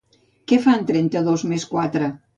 Què fan trenta-dos més quatre?